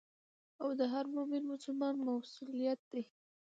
او د هر مؤمن مسلمان مسؤليت دي.